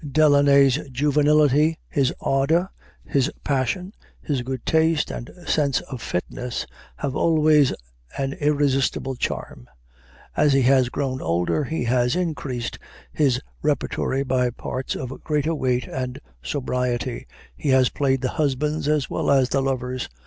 Delaunay's juvenility, his ardor, his passion, his good taste and sense of fitness, have always an irresistible charm. As he has grown older he has increased his repertory by parts of greater weight and sobriety he has played the husbands as well as the lovers.